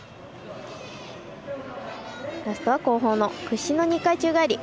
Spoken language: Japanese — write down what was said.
ラストは後方の屈身の２回宙返り。